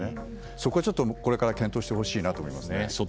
そこはちょっとこれから検討してほしいなと思います。